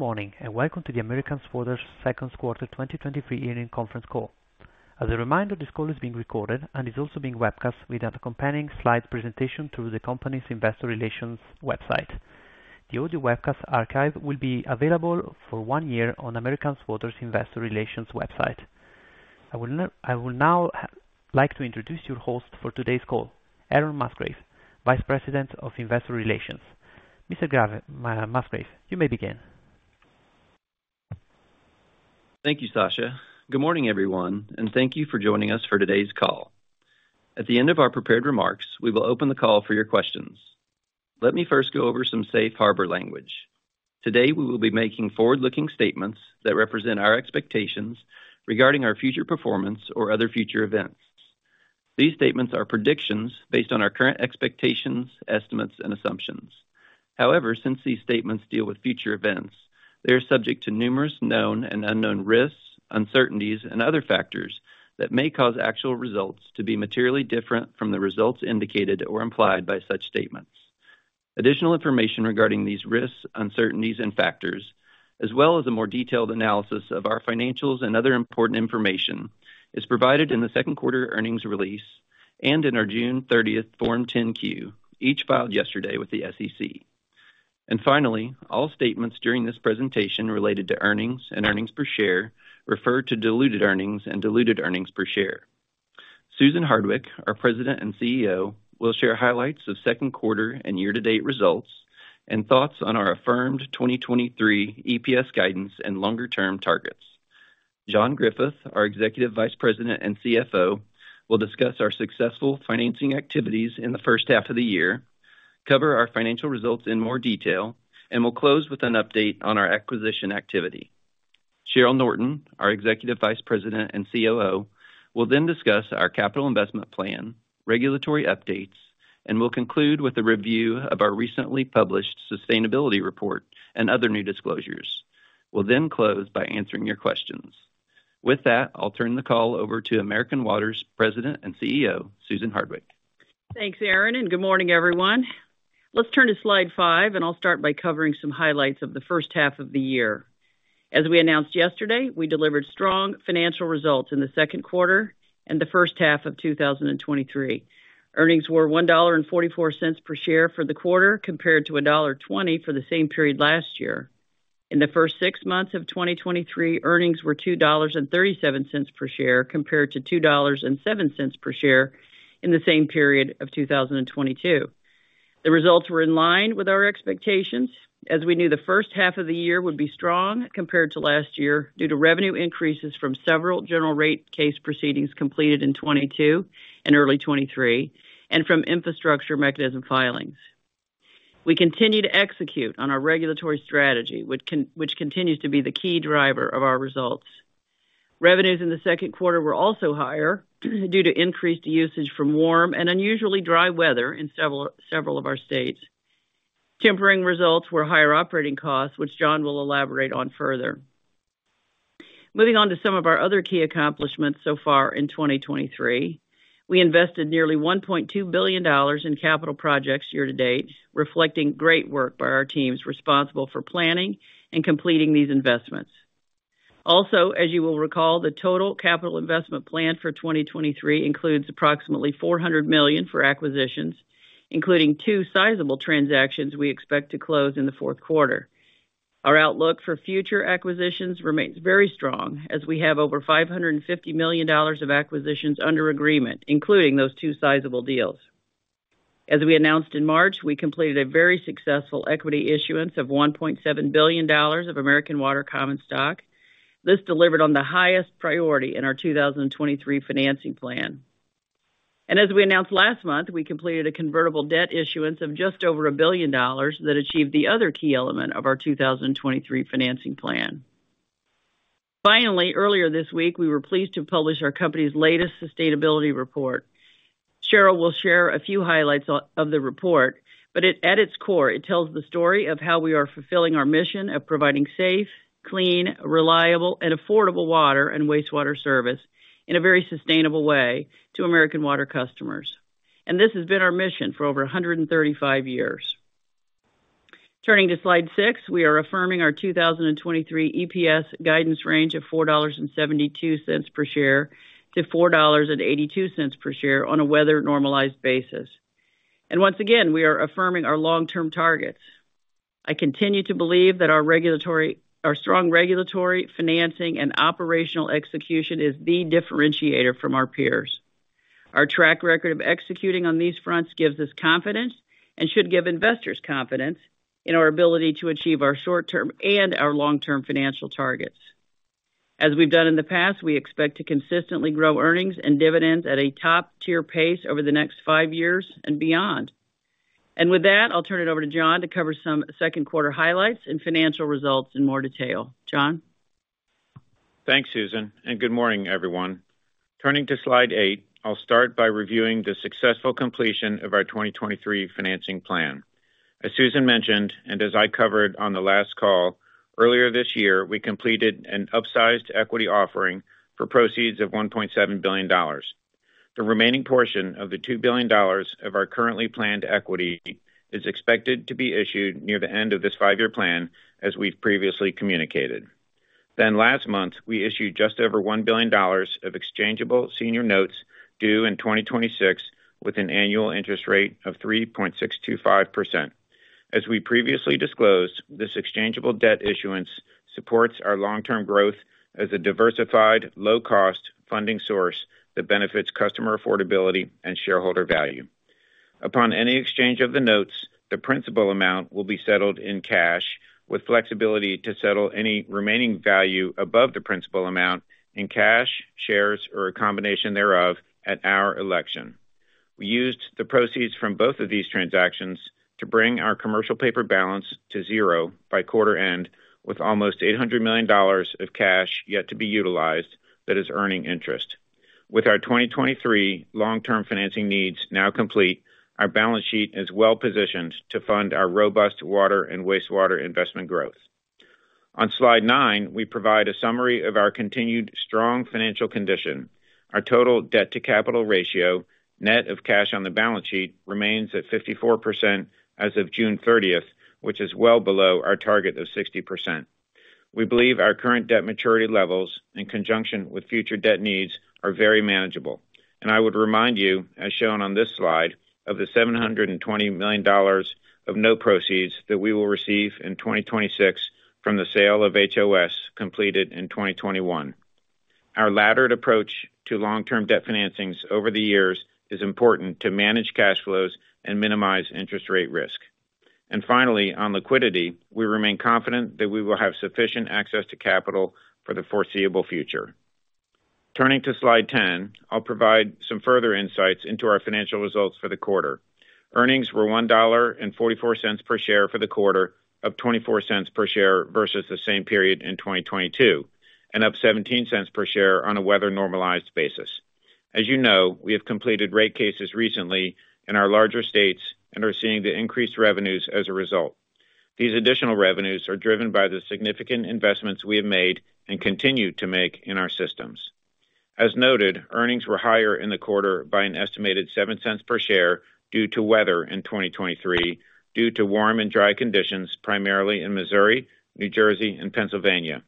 Good morning, welcome to the American Water Second Quarter 2023 earnings conference call. As a reminder, this call is being recorded and is also being webcast with an accompanying slide presentation through the company's investor relations website. The audio webcast archive will be available for one year on American Water investor relations website. I will now like to introduce your host for today's call, Aaron Musgrave, Vice President of Investor Relations. Aaron Musgrave, Musgrave, you may begin. Thank you, Sasha. Good morning, everyone, and thank you for joining us for today's call. At the end of our prepared remarks, we will open the call for your questions. Let me first go over some safe harbor language. Today, we will be making forward-looking statements that represent our expectations regarding our future performance or other future events. These statements are predictions based on our current expectations, estimates, and assumptions. However, since these statements deal with future events, they are subject to numerous known and unknown risks, uncertainties, and other factors that may cause actual results to be materially different from the results indicated or implied by such statements. Additional information regarding these risks, uncertainties, and factors, as well as a more detailed analysis of our financials and other important information, is provided in the second quarter earnings release and in our June 30th Form 10-Q, each filed yesterday with the SEC. All statements during this presentation related to earnings and earnings per share refer to diluted earnings and diluted earnings per share. Susan Hardwick, our President and CEO, will share highlights of second quarter and year-to-date results and thoughts on our affirmed 2023 EPS guidance and longer-term targets. John Griffith, our Executive Vice President and CFO, will discuss our successful financing activities in the first half of the year, cover our financial results in more detail, and will close with an update on our acquisition activity. Cheryl Norton, our Executive Vice President and COO, will then discuss our capital investment plan, regulatory updates, and will conclude with a review of our recently published sustainability report and other new disclosures. We'll then close by answering your questions. With that, I'll turn the call over to American Water's President and CEO, Susan Hardwick. Thanks, Aaron. Good morning, everyone. Let's turn to slide five, and I'll start by covering some highlights of the first half of the year. As we announced yesterday, we delivered strong financial results in the second quarter and the first half of 2023. Earnings were $1.44 per share for the quarter, compared to $1.20 for the same period last year. In the first six months of 2023, earnings were $2.37 per share, compared to $2.07 per share in the same period of 2022. The results were in line with our expectations, as we knew the first half of the year would be strong compared to last year due to revenue increases from several general rate case proceedings completed in 2022 and early 2023, and from infrastructure mechanism filings. We continue to execute on our regulatory strategy, which continues to be the key driver of our results. Revenues in the second quarter were also higher due to increased usage from warm and unusually dry weather in several of our states. Tempering results were higher operating costs, which John will elaborate on further. Moving on to some of our other key accomplishments so far in 2023, we invested nearly $1.2 billion in capital projects year to date, reflecting great work by our teams responsible for planning and completing these investments. Also, as you will recall, the total capital investment plan for 2023 includes approximately $400 million for acquisitions, including two sizable transactions we expect to close in the fourth quarter. Our outlook for future acquisitions remains very strong, as we have over $550 million of acquisitions under agreement, including those two sizable deals. As we announced in March, we completed a very successful equity issuance of $1.7 billion of American Water common stock. This delivered on the highest priority in our 2023 financing plan. As we announced last month, we completed a convertible debt issuance of just over $1 billion that achieved the other key element of our 2023 financing plan. Finally, earlier this week, we were pleased to publish our company's latest sustainability report. Cheryl will share a few highlights of the report, but at its core, it tells the story of how we are fulfilling our mission of providing safe, clean, reliable, and affordable water and wastewater service in a very sustainable way to American Water customers. This has been our mission for over 135 years. Turning to slide six, we are affirming our 2023 EPS guidance range of $4.72 per share-$4.82 per share on a weather normalized basis. Once again, we are affirming our long-term targets. I continue to believe that our strong regulatory, financing, and operational execution is the differentiator from our peers. Our track record of executing on these fronts gives us confidence and should give investors confidence in our ability to achieve our short-term and our long-term financial targets. As we've done in the past, we expect to consistently grow earnings and dividends at a top-tier pace over the next five years and beyond. With that, I'll turn it over to John to cover some second quarter highlights and financial results in more detail. John? Thanks, Susan, and good morning, everyone. Turning to slide 8, I'll start by reviewing the successful completion of our 2023 financing plan. As Susan mentioned, and as I covered on the last call, earlier this year, we completed an upsized equity offering for proceeds of $1.7 billion. The remaining portion of the $2 billion of our currently planned equity is expected to be issued near the end of this five-year plan, as we've previously communicated. Last month, we issued just over $1 billion of exchangeable senior notes due in 2026, with an annual interest rate of 3.625%. As we previously disclosed, this exchangeable debt issuance supports our long-term growth as a diversified, low-cost funding source that benefits customer affordability and shareholder value. Upon any exchange of the notes, the principal amount will be settled in cash, with flexibility to settle any remaining value above the principal amount in cash, shares, or a combination thereof at our election. We used the proceeds from both of these transactions to bring our commercial paper balance to zero by quarter end, with almost $800 million of cash yet to be utilized that is earning interest. With our 2023 long-term financing needs now complete, our balance sheet is well positioned to fund our robust water and wastewater investment growth. On slide nine, we provide a summary of our continued strong financial condition. Our total debt-to-capital ratio, net of cash on the balance sheet, remains at 54% as of June 30th, which is well below our target of 60%. We believe our current debt maturity levels, in conjunction with future debt needs, are very manageable. I would remind you, as shown on this slide, of the $720 million of net proceeds that we will receive in 2026 from the sale of HOS, completed in 2021. Our laddered approach to long-term debt financings over the years is important to manage cash flows and minimize interest rate risk. Finally, on liquidity, we remain confident that we will have sufficient access to capital for the foreseeable future. Turning to slide 10, I'll provide some further insights into our financial results for the quarter. Earnings were $1.44 per share for the quarter, up $0.24 per share versus the same period in 2022, up $0.17 per share on a weather normalized basis. As you know, we have completed rate cases recently in our larger states and are seeing the increased revenues as a result. These additional revenues are driven by the significant investments we have made and continue to make in our systems. As noted, earnings were higher in the quarter by an estimated $0.07 per share due to weather in 2023, due to warm and dry conditions, primarily in Missouri, New Jersey, and Pennsylvania.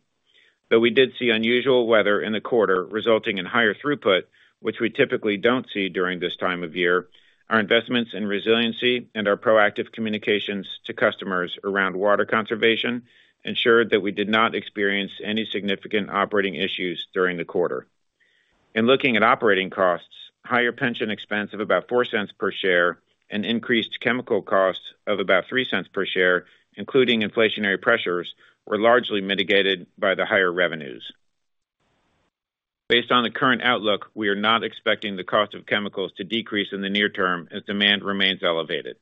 Though we did see unusual weather in the quarter, resulting in higher throughput, which we typically don't see during this time of year, our investments in resiliency and our proactive communications to customers around water conservation ensured that we did not experience any significant operating issues during the quarter. In looking at operating costs, higher pension expense of about $0.04 per share and increased chemical costs of about $0.03 per share, including inflationary pressures, were largely mitigated by the higher revenues. Based on the current outlook, we are not expecting the cost of chemicals to decrease in the near term as demand remains elevated.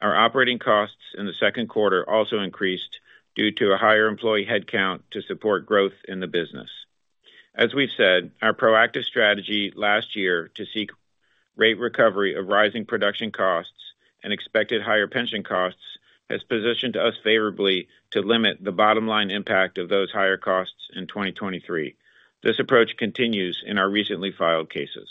Our operating costs in the second quarter also increased due to a higher employee headcount to support growth in the business. As we've said, our proactive strategy last year to seek rate recovery of rising production costs and expected higher pension costs, has positioned us favorably to limit the bottom line impact of those higher costs in 2023. This approach continues in our recently filed cases.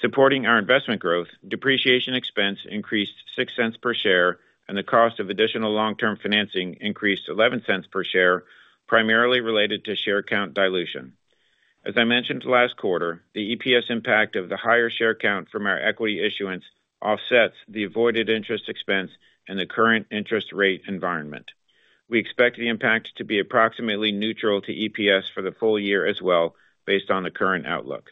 Supporting our investment growth, depreciation expense increased $0.06 per share, and the cost of additional long-term financing increased $0.11 per share, primarily related to share count dilution. As I mentioned last quarter, the EPS impact of the higher share count from our equity issuance offsets the avoided interest expense in the current interest rate environment. We expect the impact to be approximately neutral to EPS for the full year as well, based on the current outlook.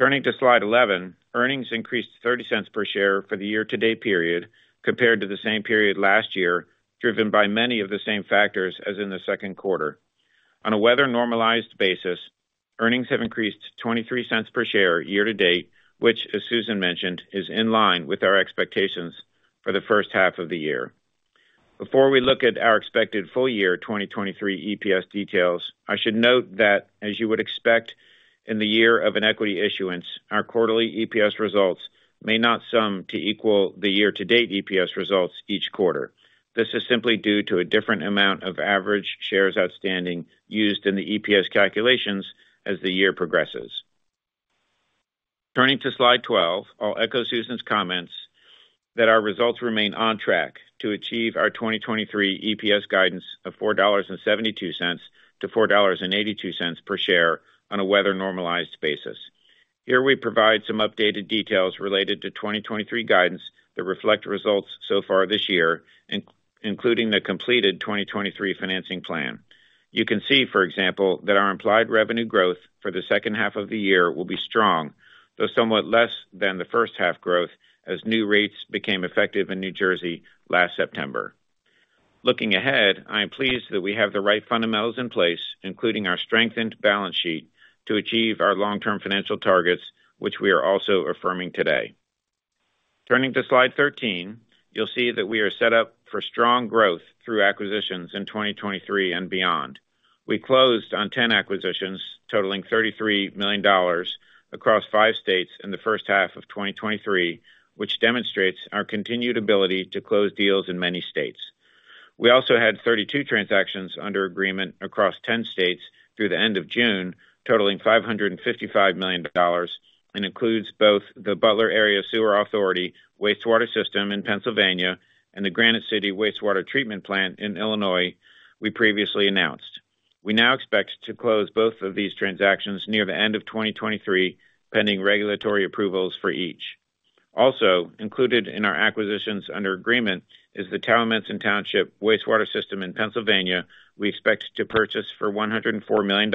Turning to slide 11, earnings increased $0.30 per share for the year-to-date period compared to the same period last year, driven by many of the same factors as in the second quarter. On a weather normalized basis, earnings have increased $0.23 per share year-to-date, which, as Susan mentioned, is in line with our expectations for the first half of the year. Before we look at our expected full year 2023 EPS details, I should note that, as you would expect in the year of an equity issuance, our quarterly EPS results may not sum to equal the year-to-date EPS results each quarter. This is simply due to a different amount of average shares outstanding used in the EPS calculations as the year progresses. Turning to slide 12, I'll echo Susan's comments that our results remain on track to achieve our 2023 EPS guidance of $4.72 to $4.82 per share on a weather-normalized basis. Here we provide some updated details related to 2023 guidance that reflect results so far this year, including the completed 2023 financing plan. You can see, for example, that our implied revenue growth for the second half of the year will be strong, though somewhat less than the first half growth, as new rates became effective in New Jersey last September. Looking ahead, I am pleased that we have the right fundamentals in place, including our strengthened balance sheet, to achieve our long-term financial targets, which we are also affirming today. Turning to slide 13, you'll see that we are set up for strong growth through acquisitions in 2023 and beyond. We closed on 10 acquisitions, totaling $33 million across 5 states in the first half of 2023, which demonstrates our continued ability to close deals in many states. We also had 32 transactions under agreement across 10 states through the end of June, totaling $555 million, and includes both the Butler Area Sewer Authority wastewater system in Pennsylvania and the Granite City Wastewater Treatment Plant in Illinois we previously announced. We now expect to close both of these transactions near the end of 2023, pending regulatory approvals for each. Included in our acquisitions under agreement is the Towamencin Township Wastewater System in Pennsylvania. We expect to purchase for $104 million,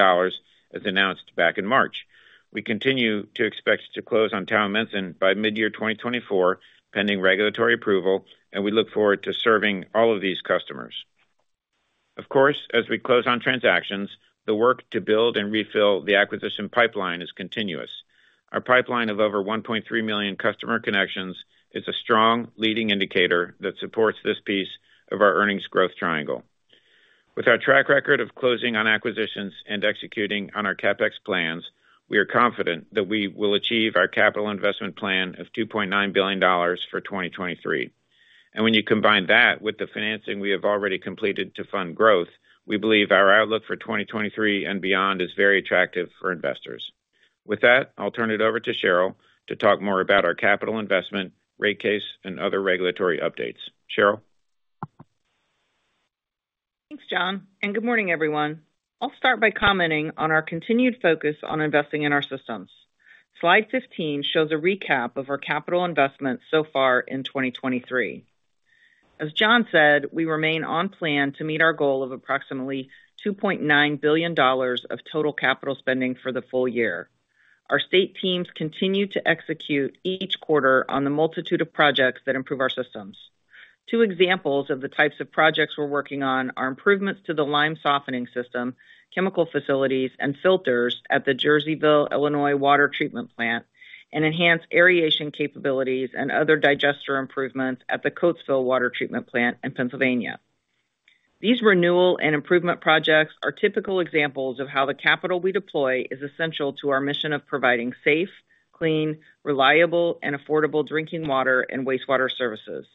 as announced back in March. We continue to expect to close on Towamencin by midyear 2024, pending regulatory approval, and we look forward to serving all of these customers. Of course, as we close on transactions, the work to build and refill the acquisition pipeline is continuous. Our pipeline of over 1.3 million customer connections is a strong leading indicator that supports this piece of our earnings growth triangle. With our track record of closing on acquisitions and executing on our CapEx plans, we are confident that we will achieve our capital investment plan of $2.9 billion for 2023. When you combine that with the financing we have already completed to fund growth, we believe our outlook for 2023 and beyond is very attractive for investors. With that, I'll turn it over to Cheryl to talk more about our capital investment, rate case, and other regulatory updates. Cheryl? Thanks, John, and good morning, everyone. I'll start by commenting on our continued focus on investing in our systems. Slide 15 shows a recap of our capital investments so far in 2023. As John said, we remain on plan to meet our goal of approximately $2.9 billion of total capital spending for the full year. Our state teams continue to execute each quarter on the multitude of projects that improve our systems. Two examples of the types of projects we're working on are improvements to the lime softening system, chemical facilities, and filters at the Jerseyville, Illinois, water treatment plant, and enhanced aeration capabilities and other digester improvements at the Coatesville water treatment plant in Pennsylvania. These renewal and improvement projects are typical examples of how the capital we deploy is essential to our mission of providing safe, clean, reliable, and affordable drinking water and wastewater services.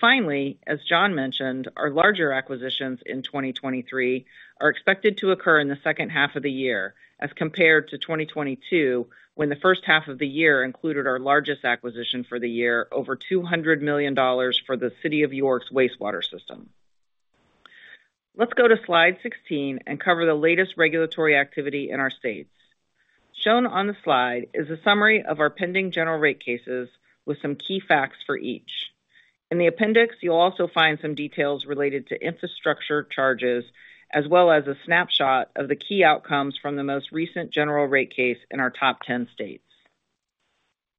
Finally, as John mentioned, our larger acquisitions in 2023 are expected to occur in the second half of the year, as compared to 2022, when the first half of the year included our largest acquisition for the year, over $200 million for the City of York's wastewater system. Let's go to slide 16 and cover the latest regulatory activity in our states. Shown on the slide is a summary of our pending general rate cases with some key facts for each. In the appendix, you'll also find some details related to infrastructure surcharges, as well as a snapshot of the key outcomes from the most recent general rate case in our top 10 states.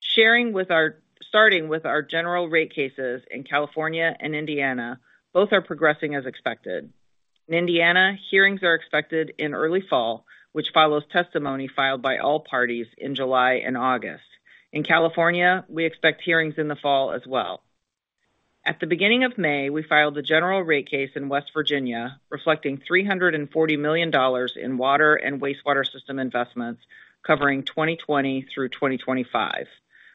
Starting with our general rate cases in California and Indiana, both are progressing as expected. In Indiana, hearings are expected in early fall, which follows testimony filed by all parties in July and August. In California, we expect hearings in the fall as well. At the beginning of May, we filed a general rate case in West Virginia, reflecting $340 million in water and wastewater system investments covering 2020 through 2025.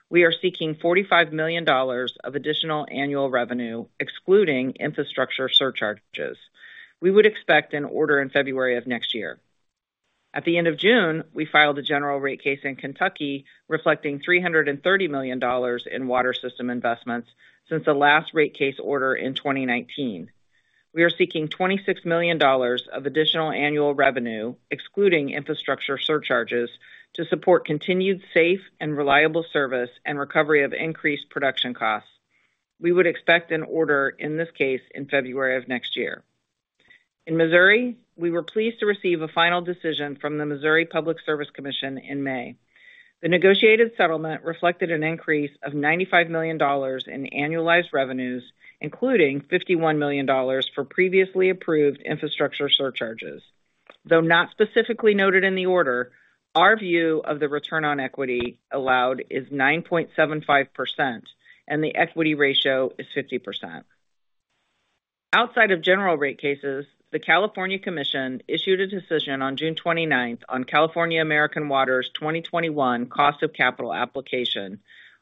We are seeking $45 million of additional annual revenue, excluding infrastructure surcharges. We would expect an order in February of next year. At the end of June, we filed a general rate case in Kentucky, reflecting $330 million in water system investments since the last rate case order in 2019. We are seeking $26 million of additional annual revenue, excluding infrastructure surcharges, to support continued safe and reliable service and recovery of increased production costs. We would expect an order in this case in February of next year. In Missouri, we were pleased to receive a final decision from the Missouri Public Service Commission in May. The negotiated settlement reflected an increase of $95 million in annualized revenues, including $51 million for previously approved infrastructure surcharges. Though not specifically noted in the order, our view of the return on equity allowed is 9.75%, and the equity ratio is 50%. Outside of general rate cases, the California Commission issued a decision on June 29th on California American Water's 2021 cost of capital application,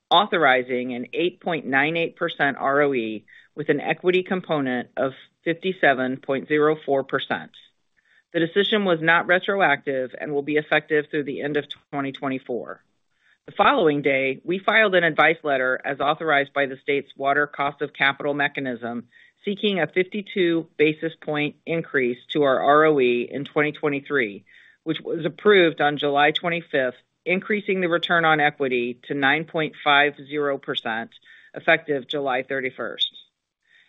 authorizing an 8.98% ROE with an equity component of 57.04%. The decision was not retroactive and will be effective through the end of 2024. The following day, we filed an advice letter, as authorized by the state's Water Cost of Capital Mechanism, seeking a 52 basis point increase to our ROE in 2023, which was approved on July 25th, increasing the return on equity to 9.50%, effective July 31st.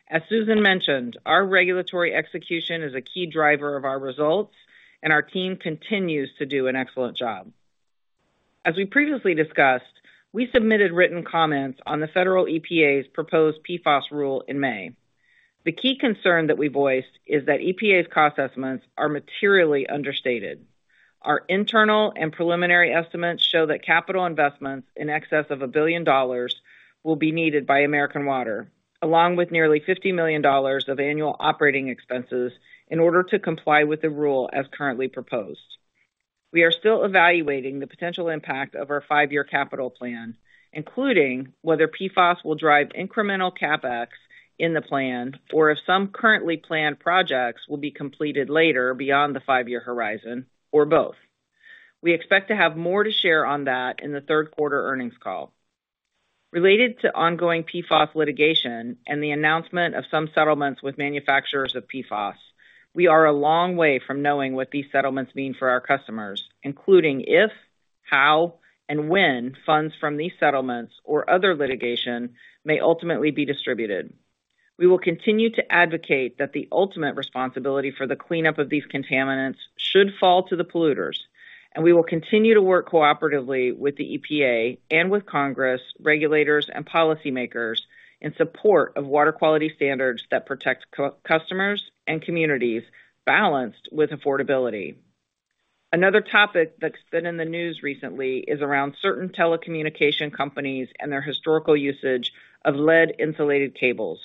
As Susan mentioned, our regulatory execution is a key driver of our results, and our team continues to do an excellent job. As we previously discussed, we submitted written comments on the federal EPA's proposed PFAS rule in May. The key concern that we voiced is that EPA's cost estimates are materially understated. Our internal and preliminary estimates show that capital investments in excess of $1 billion will be needed by American Water, along with nearly $50 million of annual operating expenses, in order to comply with the rule as currently proposed. We are still evaluating the potential impact of our 5-year capital plan, including whether PFAS will drive incremental CapEx in the plan, or if some currently planned projects will be completed later beyond the 5-year horizon, or both. We expect to have more to share on that in the third quarter earnings call. Related to ongoing PFAS litigation and the announcement of some settlements with manufacturers of PFAS, we are a long way from knowing what these settlements mean for our customers, including if, how, and when funds from these settlements or other litigation may ultimately be distributed. We will continue to advocate that the ultimate responsibility for the cleanup of these contaminants should fall to the polluters, and we will continue to work cooperatively with the EPA and with Congress, regulators, and policymakers in support of water quality standards that protect customers and communities balanced with affordability. Another topic that's been in the news recently is around certain telecommunication companies and their historical usage of lead insulated cables.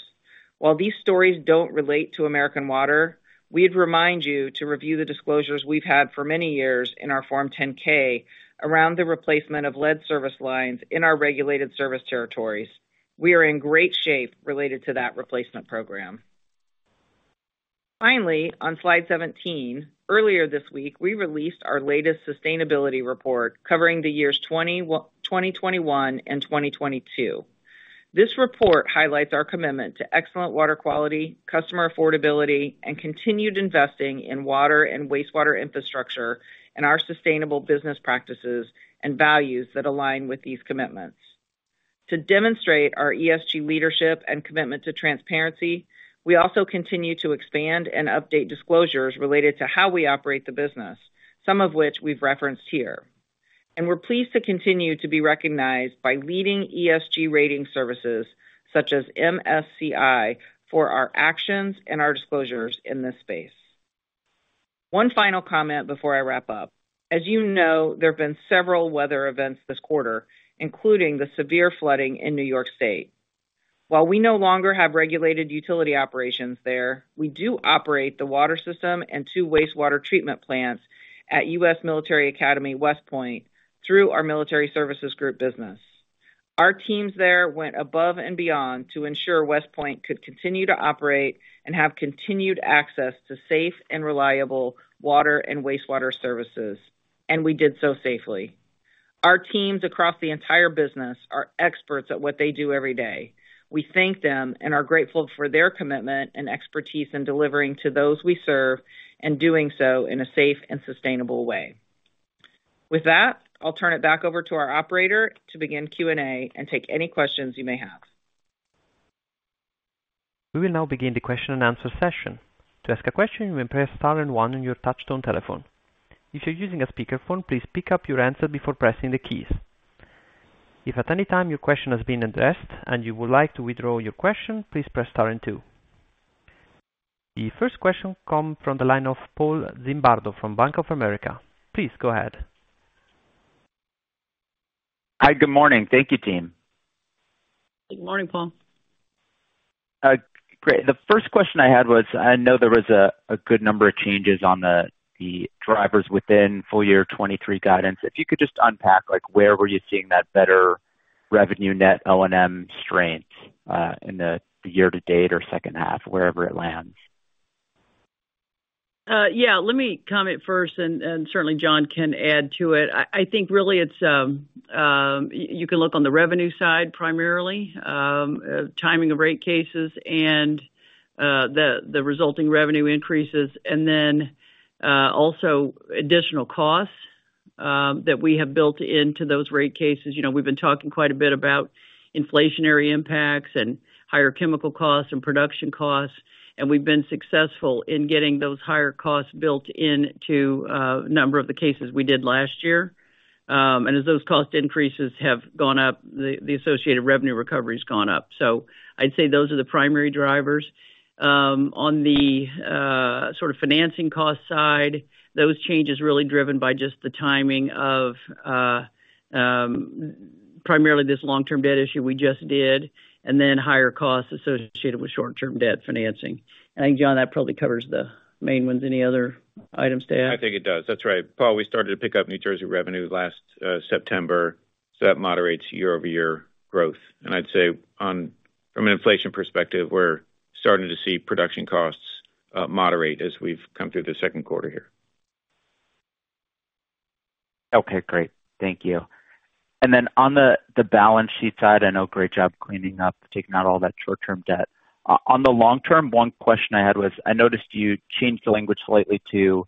While these stories don't relate to American Water, we'd remind you to review the disclosures we've had for many years in our Form 10-K around the replacement of lead service lines in our regulated service territories. We are in great shape related to that replacement program. Finally, on slide 17, earlier this week, we released our latest sustainability report covering the years 2021 and 2022. This report highlights our commitment to excellent water quality, customer affordability, and continued investing in water and wastewater infrastructure, and our sustainable business practices and values that align with these commitments. To demonstrate our ESG leadership and commitment to transparency, we also continue to expand and update disclosures related to how we operate the business, some of which we've referenced here. We're pleased to continue to be recognized by leading ESG rating services such as MSCI, for our actions and our disclosures in this space. One final comment before I wrap up. As you know, there have been several weather events this quarter, including the severe flooding in New York State. While we no longer have regulated utility operations there, we do operate the water system and two wastewater treatment plants at U.S. Military Academy, West Point, through our Military Services Group business. Our teams there went above and beyond to ensure West Point could continue to operate and have continued access to safe and reliable water and wastewater services, and we did so safely. Our teams across the entire business are experts at what they do every day. We thank them and are grateful for their commitment and expertise in delivering to those we serve, and doing so in a safe and sustainable way. With that, I'll turn it back over to our operator to begin Q&A and take any questions you may have. We will now begin the question and answer session. To ask a question, you may press star and one on your touchtone telephone. If you're using a speakerphone, please pick up your answer before pressing the keys. If at any time your question has been addressed and you would like to withdraw your question, please press star and two. The first question come from the line of Paul Zimbardo from Bank of America. Please go ahead. Hi, good morning. Thank you, team. Good morning, Paul. Great. The first question I had was, I know there was a good number of changes on the drivers within full year 2023 guidance. If you could just unpack, like, where were you seeing that better revenue net O&M strength in the year to date or second half, wherever it lands? Yeah, let me comment first, and certainly John can add to it. I think really it's, you can look on the revenue side primarily, timing of rate cases and the resulting revenue increases, and then also additional costs that we have built into those rate cases. You know, we've been talking quite a bit about inflationary impacts and higher chemical costs and production costs, and we've been successful in getting those higher costs built into a number of the cases we did last year. As those cost increases have gone up, the associated revenue recovery has gone up. I'd say those are the primary drivers. On the sort of financing cost side, those changes really driven by just the timing of primarily this long-term debt issue we just did, and then higher costs associated with short-term debt financing. I think, John, that probably covers the main ones. Any other items to add? I think it does. That's right. Paul, we started to pick up New Jersey revenue last September, so that moderates year-over-year growth. From an inflation perspective, we're starting to see production costs moderate as we've come through the second quarter here. Okay, great. Thank you. Then on the balance sheet side, I know great job cleaning up, taking out all that short-term debt. On the long term, one question I had was, I noticed you changed the language slightly to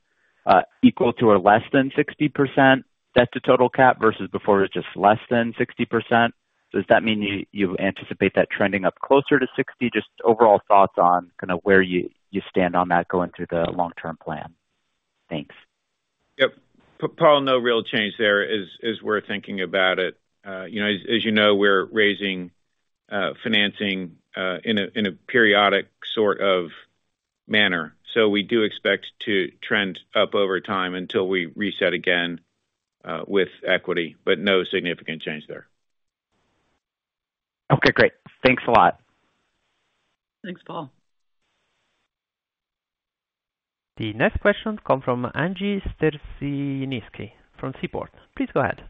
equal to or less than 60% debt to total CapEx, versus before it was just less than 60%. Does that mean you anticipate that trending up closer to 60? Just overall thoughts on kind of where you stand on that going through the long-term plan. Thanks. Yep. Paul, no real change there as we're thinking about it. You know, as you know, we're raising financing in a periodic sort of manner. We do expect to trend up over time until we reset again with equity. No significant change there. Okay, great. Thanks a lot. Thanks, Paul. The next question come from Angie Storozynski from Seaport Research Partners. Please go ahead.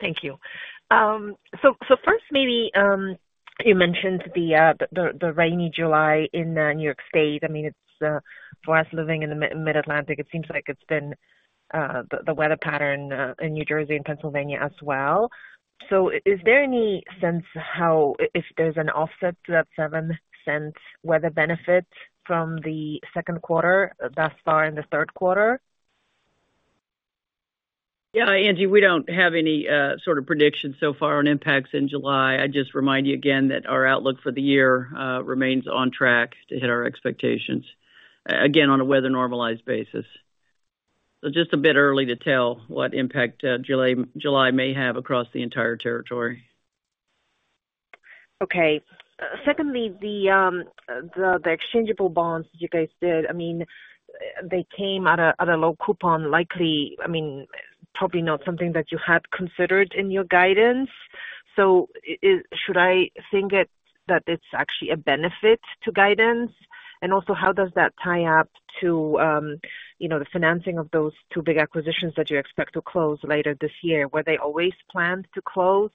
Thank you. First, maybe, you mentioned the rainy July in New York State. I mean, it's for us, living in the Mid-Atlantic, it seems like it's been the weather pattern in New Jersey and Pennsylvania as well. Is there any sense how if there's an offset to that $0.07 weather benefit from the second quarter thus far in the third quarter? Angie, we don't have any sort of prediction so far on impacts in July. I'd just remind you again that our outlook for the year remains on track to hit our expectations again, on a weather-normalized basis. Just a bit early to tell what impact July may have across the entire territory. Okay. Secondly, the exchangeable bonds, you guys did. I mean, they came at a, at a low coupon, likely, I mean, probably not something that you had considered in your guidance. So should I think it, that it's actually a benefit to guidance? Also, how does that tie up to, you know, the financing of those two big acquisitions that you expect to close later this year? Were they always planned to close,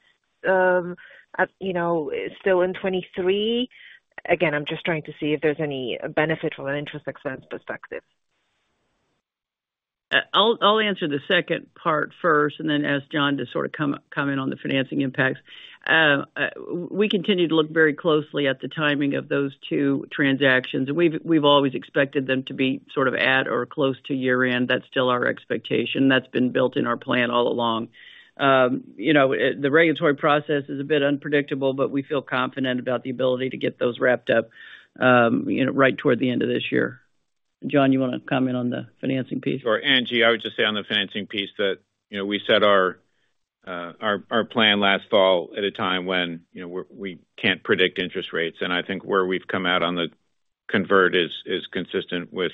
at, you know, still in 2023? Again, I'm just trying to see if there's any benefit from an interest expense perspective. I'll answer the second part first, and then ask John to sort of comment on the financing impacts. We continue to look very closely at the timing of those two transactions, and we've always expected them to be sort of at or close to year-end. That's still our expectation. That's been built in our plan all along. You know, the regulatory process is a bit unpredictable, but we feel confident about the ability to get those wrapped up, you know, right toward the end of this year. John, you want to comment on the financing piece? Sure, Angie, I would just say on the financing piece that, you know, we set our plan last fall at a time when, you know, we're, we can't predict interest rates. I think where we've come out on the convert is consistent with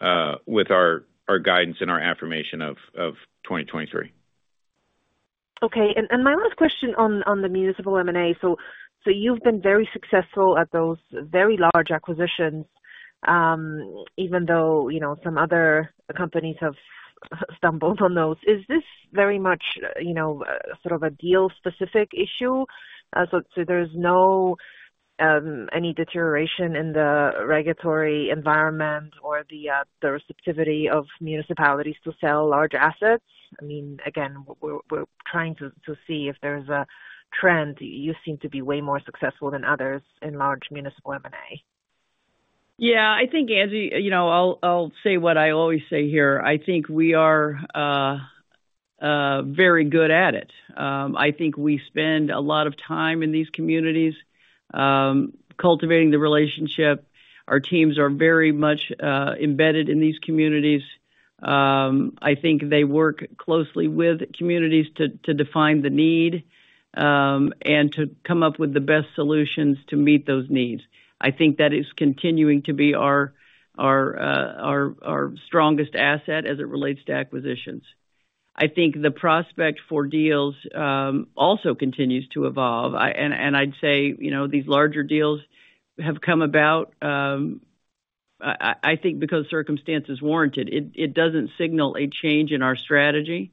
our guidance and our affirmation of 2023. My last question on the municipal M&A. You've been very successful at those very large acquisitions, even though, you know, some other companies have stumbled on those. Is this very much, you know, sort of a deal-specific issue? There's no any deterioration in the regulatory environment or the receptivity of municipalities to sell large assets? Again, we're trying to see if there's a trend. You seem to be way more successful than others in large municipal M&A. Yeah, I think, Angie, you know, I'll say what I always say here: I think we are very good at it. I think we spend a lot of time in these communities, cultivating the relationship. Our teams are very much embedded in these communities. I think they work closely with communities to define the need and to come up with the best solutions to meet those needs. I think that is continuing to be our strongest asset as it relates to acquisitions. I think the prospect for deals also continues to evolve. I'd say, you know, these larger deals have come about, I think because circumstances warrant it. It doesn't signal a change in our strategy,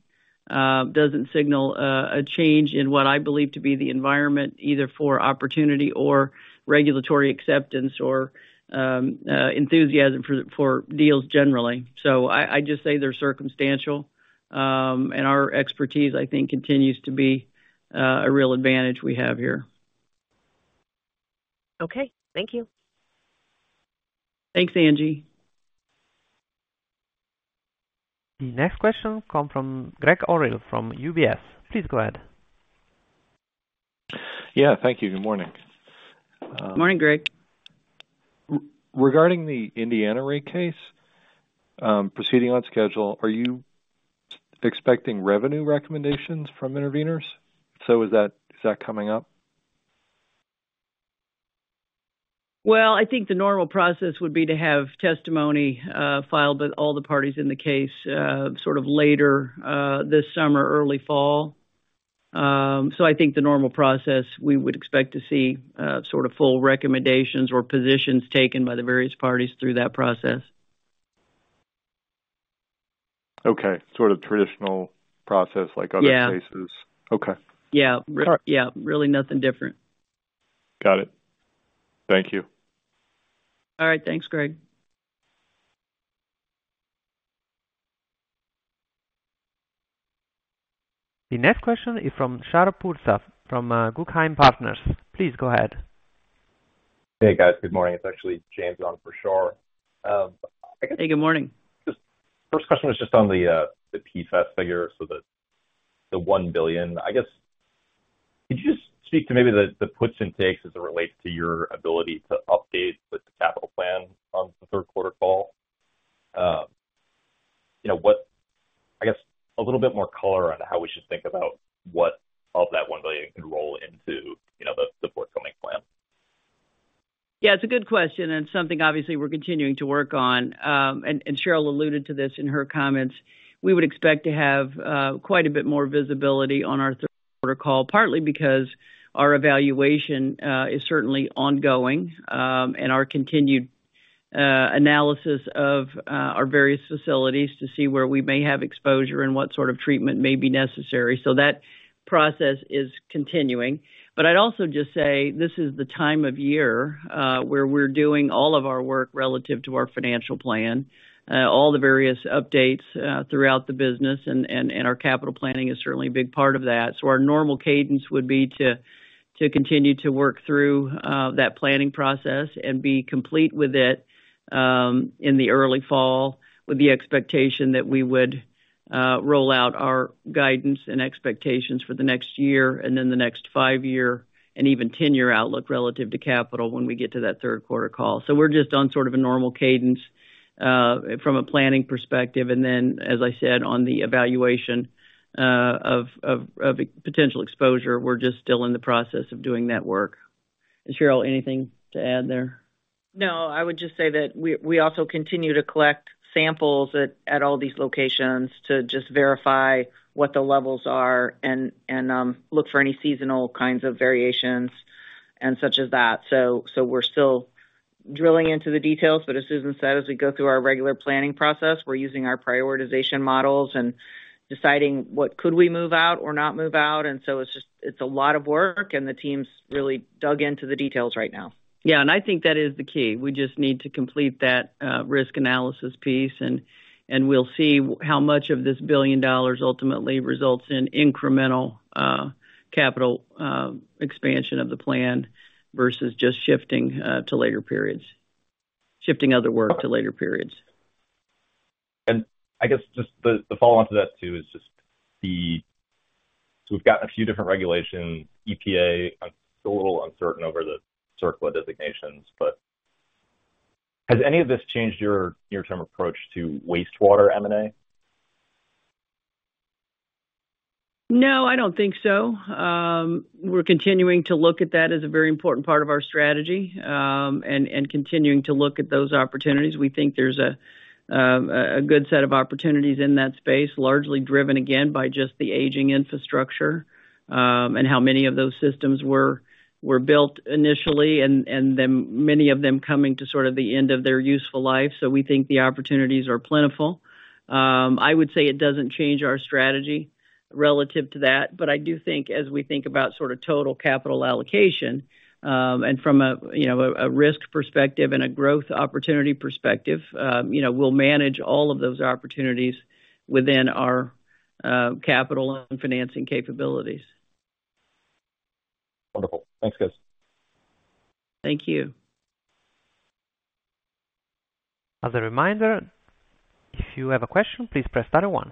doesn't signal a change in what I believe to be the environment, either for opportunity or regulatory acceptance or enthusiasm for deals generally. I just say they're circumstantial, and our expertise, I think, continues to be a real advantage we have here. Okay. Thank you. Thanks, Angie. The next question come from Gregg Orrill from UBS. Please go ahead. Yeah, thank you. Good morning. Good morning, Gregg. Regarding the Indiana rate case, proceeding on schedule, are you expecting revenue recommendations from interveners? Is that coming up? I think the normal process would be to have testimony filed by all the parties in the case sort of later this summer or early fall. I think the normal process, we would expect to see sort of full recommendations or positions taken by the various parties through that process. Okay. Sort of traditional process like other- Yeah. cases. Okay. Yeah. All right. Yeah, really nothing different. Got it. Thank you. All right. Thanks, Greg. The next question is from Shar Pourreza, from Guggenheim Partners. Please go ahead. Hey, guys. Good morning. It's actually James on for Shar. Hey, good morning. Just first question is just on the PFAS figure, so the $1 billion. I guess, could you just speak to maybe the puts and takes as it relates to your ability to update the capital plan on the third quarter call? You know, I guess a little bit more color on how we should think about what of that $1 billion could roll into. Yeah, it's a good question, and something obviously we're continuing to work on. Cheryl alluded to this in her comments. We would expect to have quite a bit more visibility on our third quarter call, partly because our evaluation is certainly ongoing, and our continued analysis of our various facilities to see where we may have exposure and what sort of treatment may be necessary. That process is continuing. I'd also just say this is the time of year where we're doing all of our work relative to our financial plan, all the various updates throughout the business and our capital planning is certainly a big part of that. Our normal cadence would be to continue to work through that planning process and be complete with it, in the early fall, with the expectation that we would roll out our guidance and expectations for the next year, and then the next 5-year, and even 10-year outlook relative to capital when we get to that 3rd quarter call. We're just on sort of a normal cadence from a planning perspective, and then, as I said, on the evaluation of potential exposure, we're just still in the process of doing that work. Cheryl, anything to add there? I would just say that we also continue to collect samples at all these locations to just verify what the levels are and look for any seasonal kinds of variations and such as that. We're still drilling into the details, but as Susan said, as we go through our regular planning process, we're using our prioritization models and deciding what could we move out or not move out. It's a lot of work, and the team's really dug into the details right now. I think that is the key. We just need to complete that risk analysis piece, and we'll see how much of this $1 billion ultimately results in incremental capital expansion of the plan versus just shifting to later periods. Shifting other work to later periods. I guess just the follow-up to that, too. We've got a few different regulations, EPA, still a little uncertain over the CERCLA designations. Has any of this changed your near-term approach to wastewater M&A? No, I don't think so. We're continuing to look at that as a very important part of our strategy, and continuing to look at those opportunities. We think there's a good set of opportunities in that space, largely driven, again, by just the aging infrastructure, and how many of those systems were built initially, and then many of them coming to sort of the end of their useful life. We think the opportunities are plentiful. I would say it doesn't change our strategy relative to that, but I do think as we think about sort of total capital allocation, and from a, you know, a risk perspective and a growth opportunity perspective, you know, we'll manage all of those opportunities within our capital and financing capabilities. Wonderful. Thanks, guys. Thank you. As a reminder, if you have a question, please press star one.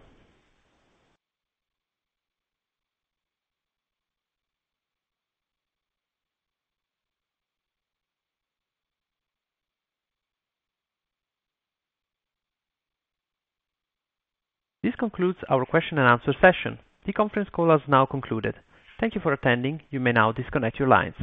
This concludes our question and answer session. The conference call has now concluded. Thank you for attending. You may now disconnect your lines.